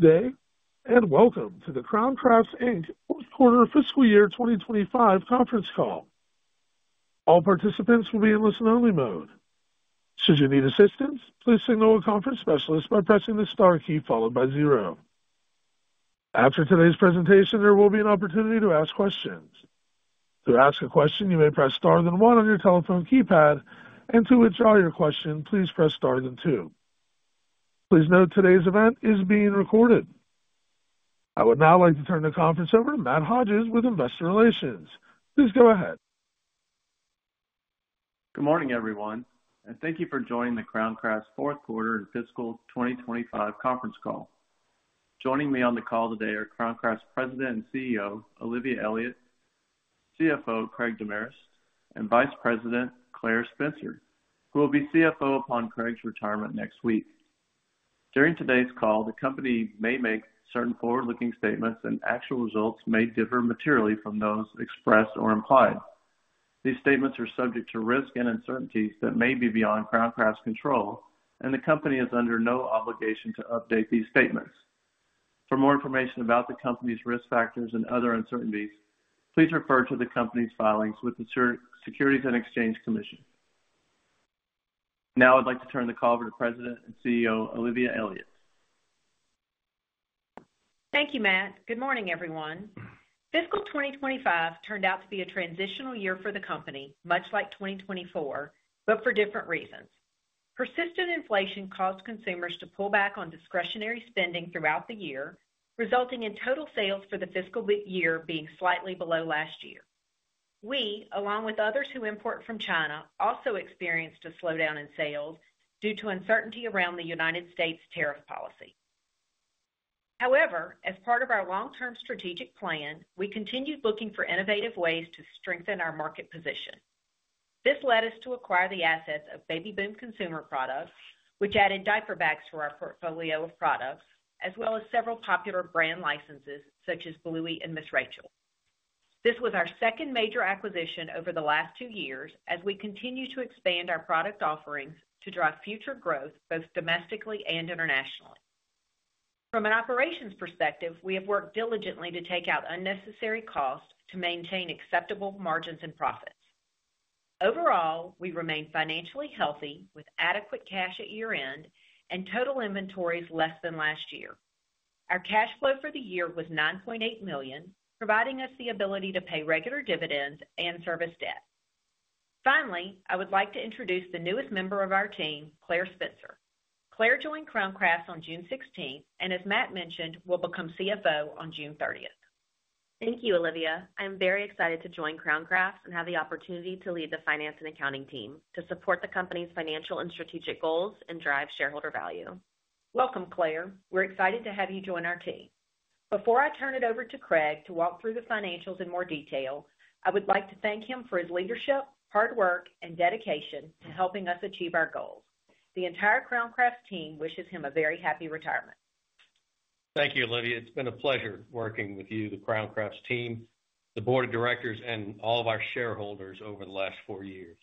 Good day, and welcome to the Crown Crafts Inc Fourth Quarter Fiscal Year 2025 Conference Call. All participants will be in listen-only mode. Should you need assistance, please signal a conference specialist by pressing the star key followed by zero. After today's presentation, there will be an opportunity to ask questions. To ask a question, you may press star then one on your telephone keypad, and to withdraw your question, please press star then two. Please note today's event is being recorded. I would now like to turn the conference over to Matt Hodges with Investor Relations. Please go ahead. Good morning, everyone, and thank you for joining the Crown Crafts Fourth Quarter Fiscal 2025 Conference Call. Joining me on the call today are Crown Crafts' President and CEO Olivia Elliott, CFO Craig Demarest, and Vice President Claire Spencer, who will be CFO upon Craig's retirement next week. During today's call, the company may make certain forward-looking statements, and actual results may differ materially from those expressed or implied. These statements are subject to risk and uncertainties that may be beyond Crown Crafts' control, and the company is under no obligation to update these statements. For more information about the company's risk factors and other uncertainties, please refer to the company's filings with the Securities and Exchange Commission. Now I'd like to turn the call over to President and CEO Olivia Elliott. Thank you, Matt. Good morning, everyone. Fiscal 2025 turned out to be a transitional year for the company, much like 2024, but for different reasons. Persistent inflation caused consumers to pull back on discretionary spending throughout the year, resulting in total sales for the fiscal year being slightly below last year. We, along with others who import from China, also experienced a slowdown in sales due to uncertainty around the United States tariff policy. However, as part of our long-term strategic plan, we continued looking for innovative ways to strengthen our market position. This led us to acquire the assets of Baby Boom Consumer Products, which added diaper bags to our portfolio of products, as well as several popular brand licenses such as Bluey and Miss Rachel. This was our second major acquisition over the last two years, as we continue to expand our product offerings to drive future growth both domestically and internationally. From an operations perspective, we have worked diligently to take out unnecessary costs to maintain acceptable margins and profits. Overall, we remain financially healthy, with adequate cash at year-end and total inventories less than last year. Our cash flow for the year was $9.8 million, providing us the ability to pay regular dividends and service debt. Finally, I would like to introduce the newest member of our team, Claire Spencer. Claire joined Crown Crafts on June 16 and, as Matt mentioned, will become CFO on June 30. Thank you, Olivia. I'm very excited to join Crown Crafts and have the opportunity to lead the finance and accounting team to support the company's financial and strategic goals and drive shareholder value. Welcome, Claire. We're excited to have you join our team. Before I turn it over to Craig to walk through the financials in more detail, I would like to thank him for his leadership, hard work, and dedication to helping us achieve our goals. The entire Crown Crafts team wishes him a very happy retirement. Thank you, Olivia. It's been a pleasure working with you, the Crown Crafts team, the Board of Directors, and all of our shareholders over the last four years.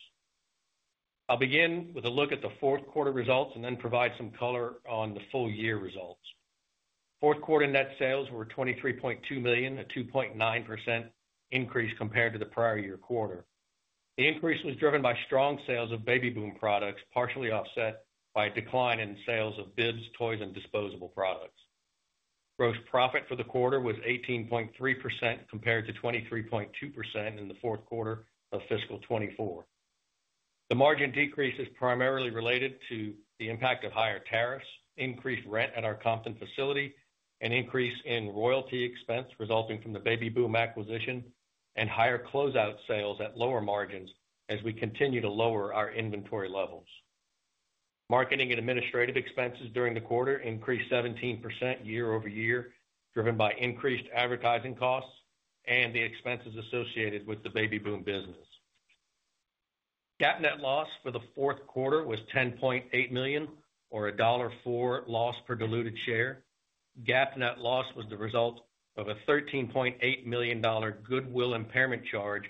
I'll begin with a look at the fourth quarter results and then provide some color on the full year results. Fourth quarter net sales were $23.2 million, a 2.9% increase compared to the prior year quarter. The increase was driven by strong sales of Baby Boom products, partially offset by a decline in sales of bibs, toys, and disposable products. Gross profit for the quarter was 18.3% compared to 23.2% in the fourth quarter of fiscal 2024. The margin decrease is primarily related to the impact of higher tariffs, increased rent at our Compton facility, an increase in royalty expense resulting from the Baby Boom acquisition, and higher closeout sales at lower margins as we continue to lower our inventory levels. Marketing and administrative expenses during the quarter increased 17% year-over-year, driven by increased advertising costs and the expenses associated with the Baby Boom business. GAAP net loss for the fourth quarter was $10.8 million, or $1.04 loss per diluted share. GAAP net loss was the result of a $13.8 million goodwill impairment charge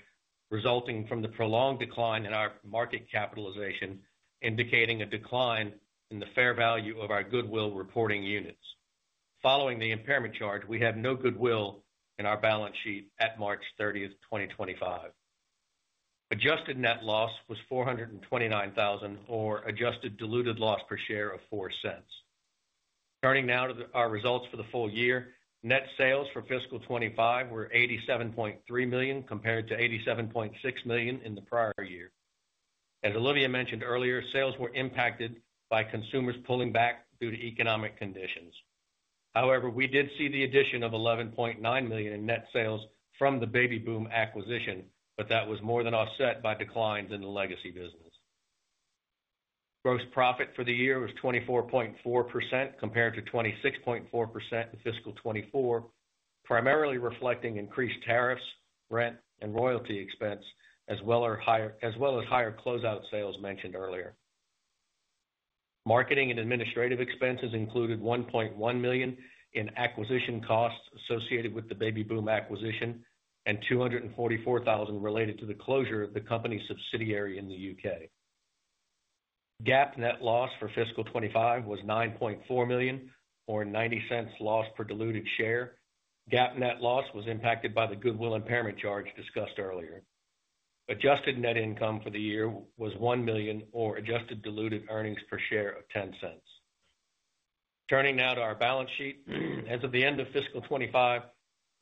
resulting from the prolonged decline in our market capitalization, indicating a decline in the fair value of our goodwill reporting units. Following the impairment charge, we have no goodwill in our balance sheet at March 30th, 2025. Adjusted net loss was $429,000, or adjusted diluted loss per share of $0.04. Turning now to our results for the full year, net sales for fiscal 2025 were $87.3 million compared to $87.6 million in the prior year. As Olivia mentioned earlier, sales were impacted by consumers pulling back due to economic conditions. However, we did see the addition of $11.9 million in net sales from the Baby Boom acquisition, but that was more than offset by declines in the legacy business. Gross profit for the year was 24.4% compared to 26.4% in fiscal 2024, primarily reflecting increased tariffs, rent, and royalty expense, as well as higher closeout sales mentioned earlier. Marketing and administrative expenses included $1.1 million in acquisition costs associated with the Baby Boom acquisition and $244,000 related to the closure of the company's subsidiary in the U.K. GAAP net loss for fiscal 2025 was $9.4 million, or $0.90 loss per diluted share. GAAP net loss was impacted by the goodwill impairment charge discussed earlier. Adjusted net income for the year was $1 million, or adjusted diluted earnings per share of $0.10. Turning now to our balance sheet, as of the end of fiscal 2025,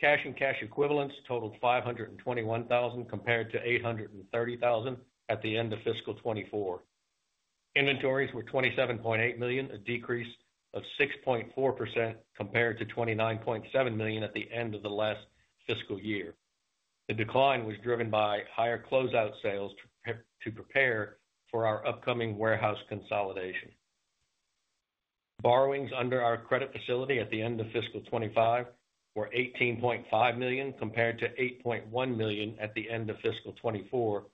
cash and cash equivalents totaled $521,000 compared to $830,000 at the end of fiscal 2024. Inventories were $27.8 million, a decrease of 6.4% compared to $29.7 million at the end of the last fiscal year. The decline was driven by higher closeout sales to prepare for our upcoming warehouse consolidation. Borrowings under our credit facility at the end of fiscal 2025 were $18.5 million compared to $8.1 million at the end of fiscal 2024,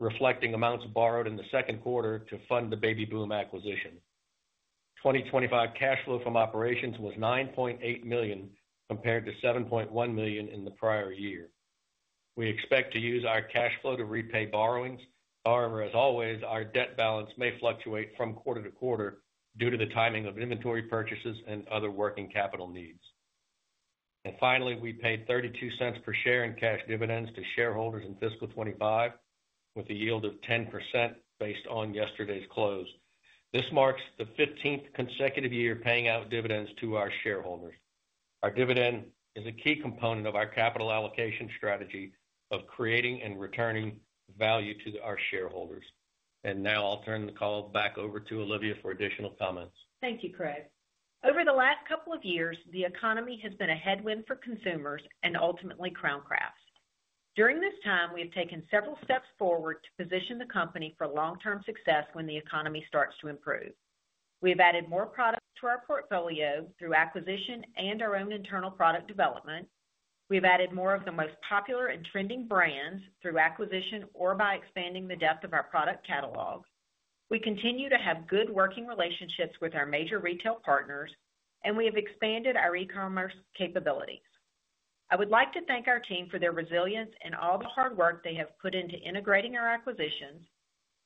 reflecting amounts borrowed in the second quarter to fund the Baby Boom acquisition. 2025 cash flow from operations was $9.8 million compared to $7.1 million in the prior year. We expect to use our cash flow to repay borrowings. However, as always, our debt balance may fluctuate from quarter-to-quarter due to the timing of inventory purchases and other working capital needs. We paid $0.32 per share in cash dividends to shareholders in fiscal 2025, with a yield of 10% based on yesterday's close. This marks the 15th consecutive year paying out dividends to our shareholders. Our dividend is a key component of our capital allocation strategy of creating and returning value to our shareholders. I will turn the call back over to Olivia for additional comments. Thank you, Craig. Over the last couple of years, the economy has been a headwind for consumers and ultimately Crown Crafts. During this time, we have taken several steps forward to position the company for long-term success when the economy starts to improve. We have added more products to our portfolio through acquisition and our own internal product development. We have added more of the most popular and trending brands through acquisition or by expanding the depth of our product catalog. We continue to have good working relationships with our major retail partners, and we have expanded our e-commerce capabilities. I would like to thank our team for their resilience and all the hard work they have put into integrating our acquisitions,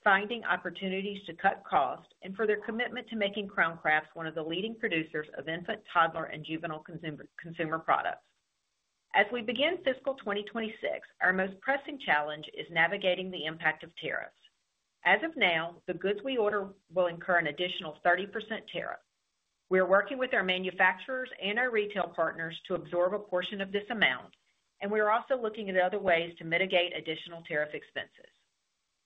finding opportunities to cut costs, and for their commitment to making Crown Crafts one of the leading producers of infant, toddler, and juvenile consumer products. As we begin fiscal 2026, our most pressing challenge is navigating the impact of tariffs. As of now, the goods we order will incur an additional 30% tariff. We are working with our manufacturers and our retail partners to absorb a portion of this amount, and we are also looking at other ways to mitigate additional tariff expenses.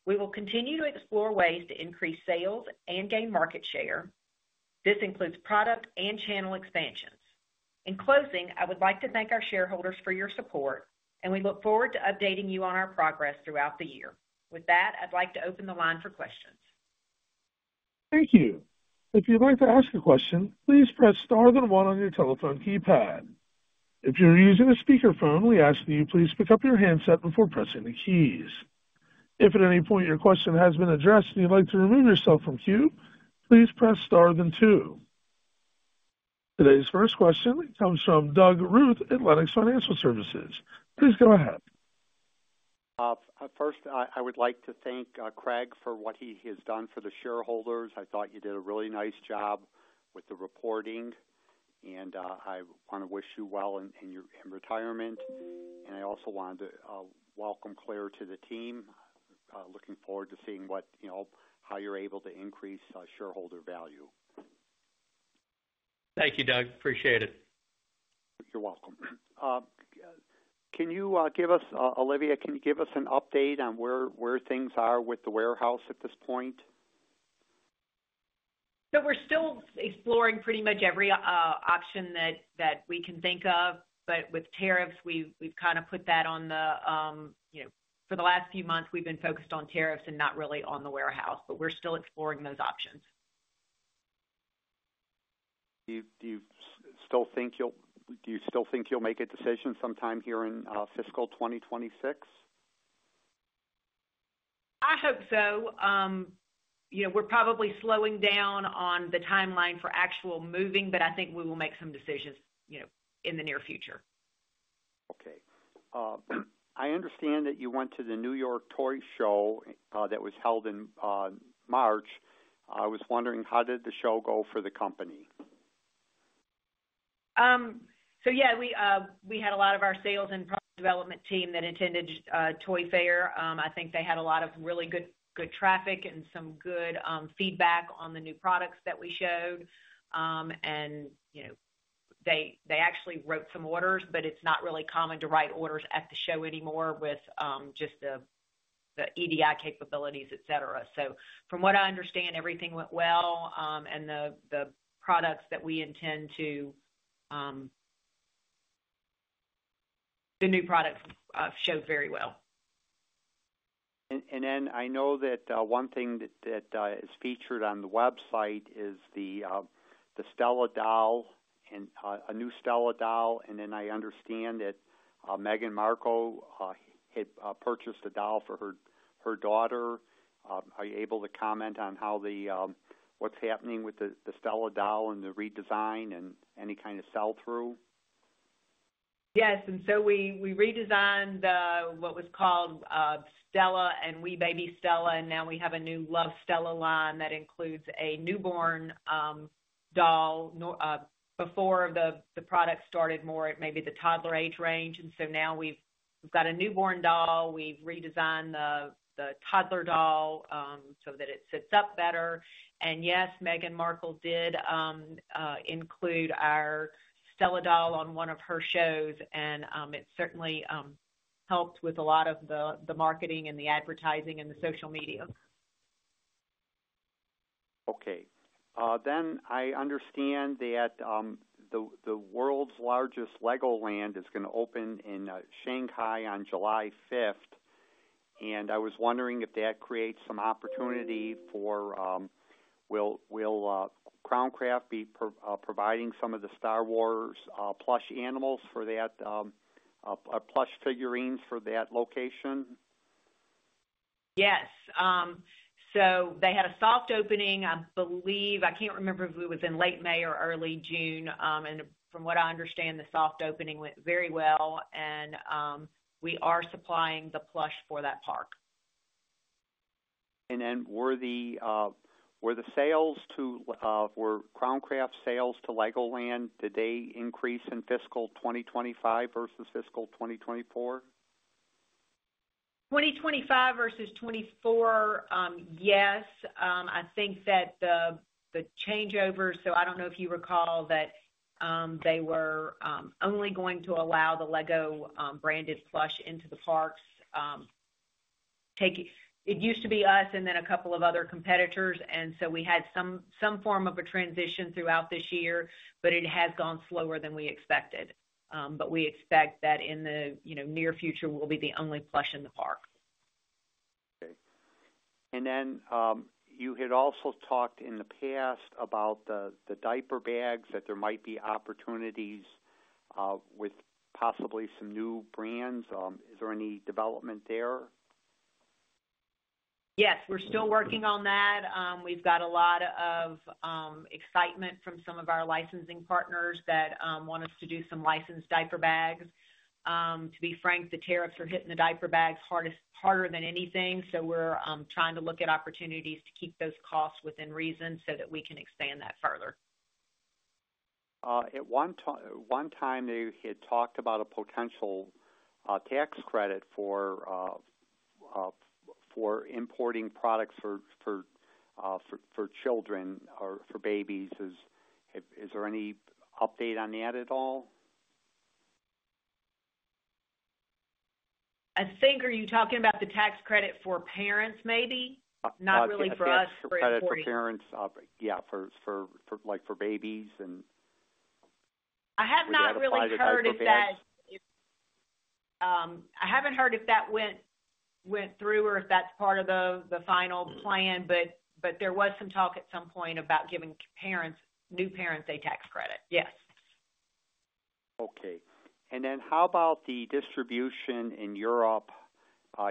We will continue to explore ways to increase sales and gain market share. This includes product and channel expansions. In closing, I would like to thank our shareholders for your support, and we look forward to updating you on our progress throughout the year. With that, I'd like to open the line for questions. Thank you. If you'd like to ask a question, please press star then one on your telephone keypad. If you're using a speakerphone, we ask that you please pick up your handset before pressing the keys. If at any point your question has been addressed and you'd like to remove yourself from queue, please press star then two. Today's first question comes from Doug Ruth at Lenox Financial Services. Please go ahead. First, I would like to thank Craig for what he has done for the shareholders. I thought you did a really nice job with the reporting, and I want to wish you well in retirement. I also wanted to welcome Claire to the team. Looking forward to seeing how you're able to increase shareholder value. Thank you, Doug. Appreciate it. You're welcome. Can you give us, Olivia, can you give us an update on where things are with the warehouse at this point? We're still exploring pretty much every option that we can think of, but with tariffs, we've kind of put that on the, for the last few months, we've been focused on tariffs and not really on the warehouse, but we're still exploring those options. Do you still think you'll, do you still think you'll make a decision sometime here in fiscal 2026? I hope so. We're probably slowing down on the timeline for actual moving, but I think we will make some decisions in the near future. Okay. I understand that you went to the New York Toy Show that was held in March. I was wondering, how did the show go for the company? Yeah, we had a lot of our sales and product development team that attended Toy Fair. I think they had a lot of really good traffic and some good feedback on the new products that we showed. They actually wrote some orders, but it's not really common to write orders at the show anymore with just the EDI capabilities, etc. From what I understand, everything went well, and the products that we intend to, the new products showed very well. I know that one thing that is featured on the website is the Stella doll, a new Stella doll. I understand that Meghan Markle had purchased a doll for her daughter. Are you able to comment on how the, what's happening with the Stella doll and the redesign and any kind of sell-through? Yes. We redesigned what was called Stella and Wee Baby Stella, and now we have a new Love Stella line that includes a newborn doll. Before, the product started more at maybe the toddler age range, and now we have a newborn doll. We have redesigned the toddler doll so that it sits up better. Yes, Meghan Markle did include our Stella doll on one of her shows, and it certainly helped with a lot of the marketing and the advertising and the social media. Okay. Then I understand that the world's largest LEGOLAND is going to open in Shanghai on July 5, and I was wondering if that creates some opportunity for, will Crown Crafts be providing some of the Star Wars plush animals for that, plush figurines for that location? Yes. They had a soft opening, I believe. I can't remember if it was in late May or early June. From what I understand, the soft opening went very well, and we are supplying the plush for that park. Were Crown Crafts' sales to LEGOLAND, did they increase in fiscal 2025 versus fiscal 2024? 2025 versus 2024, yes. I think that the changeovers, so I don't know if you recall that they were only going to allow the LEGO- branded plush into the parks. It used to be us and then a couple of other competitors, and so we had some form of a transition throughout this year, but it has gone slower than we expected. We expect that in the near future, we'll be the only plush in the park. Okay. You had also talked in the past about the diaper bags, that there might be opportunities with possibly some new brands. Is there any development there? Yes. We're still working on that. We've got a lot of excitement from some of our licensing partners that want us to do some licensed diaper bags. To be frank, the tariffs are hitting the diaper bags harder than anything, so we're trying to look at opportunities to keep those costs within reason so that we can expand that further. At one time, you had talked about a potential tax credit for importing products for children or for babies. Is there any update on that at all? I think, are you talking about the tax credit for parents, maybe? Not really for us. Not really for parents. Yeah, for babies and. I have not really heard of that. I haven't heard if that went through or if that's part of the final plan, but there was some talk at some point about giving parents, new parents, a tax credit. Yes. Okay. And then how about the distribution in Europe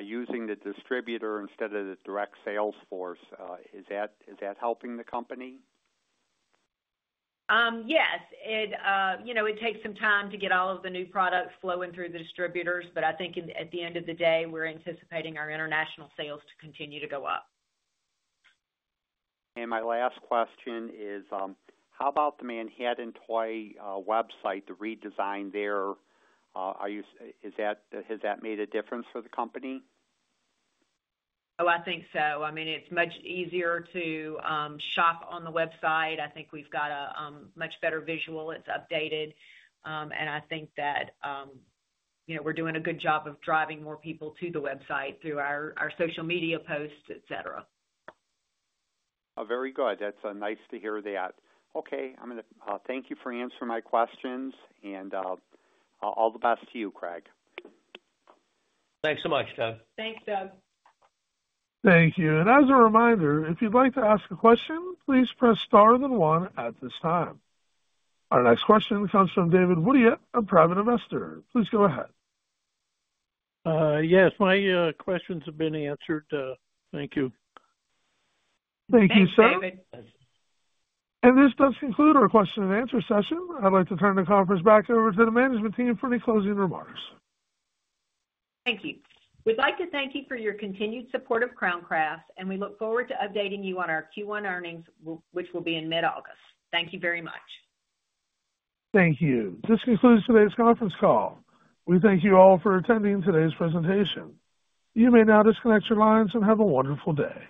using the distributor instead of the direct sales force? Is that helping the company? Yes. It takes some time to get all of the new products flowing through the distributors, but I think at the end of the day, we're anticipating our international sales to continue to go up. My last question is, how about the Manhattan Toy website, the redesign there? Has that made a difference for the company? Oh, I think so. I mean, it's much easier to shop on the website. I think we've got a much better visual. It's updated. I think that we're doing a good job of driving more people to the website through our social media posts, etc. Oh, very good. That's nice to hear that. Okay. I'm going to thank you for answering my questions, and all the best to you, Craig. Thanks so much, Doug. Thanks, Doug. Thank you. As a reminder, if you'd like to ask a question, please press star then one at this time. Our next question comes from David Woodyatt, a private investor. Please go ahead. Yes. My questions have been answered. Thank you. Thank you, sir. This does conclude our question and answer session. I'd like to turn the conference back over to the management team for any closing remarks. Thank you. We'd like to thank you for your continued support of Crown Crafts, and we look forward to updating you on our Q1 earnings, which will be in mid-August. Thank you very much. Thank you. This concludes today's conference call. We thank you all for attending today's presentation. You may now disconnect your lines and have a wonderful day.